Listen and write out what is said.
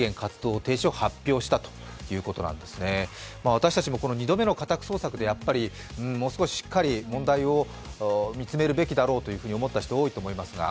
私たちも２度目の家宅捜索でもう少ししっかり問題を見つめるべきだろうと思った人、多いと思います。